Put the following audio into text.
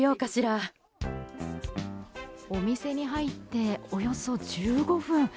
お店に入っておよそ１５分。